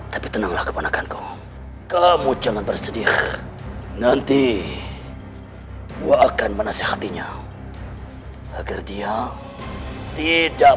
tapi tenanglah kepanakanku kamu jangan bersedih nanti gua akan menasehatinya agar dia tidak